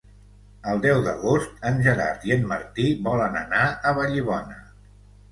El deu d'agost en Gerard i en Martí volen anar a Vallibona.